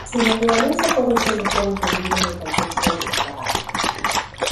Su naturaleza puede ser mejor entendida en el contexto de su trabajo.